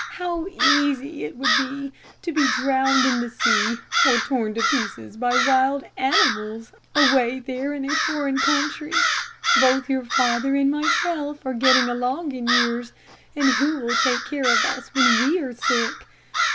How easy it would be to be drowned in the sea, or torn to pieces by wild animals away there in a foreign country. Both your father and myself are getting along in years and who will take care of us when we are sick?